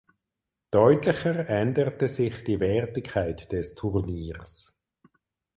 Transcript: Deutlicher änderte sich die Wertigkeit des Turniers.